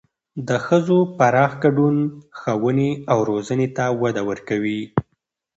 د ښځو پراخ ګډون ښوونې او روزنې ته وده ورکوي.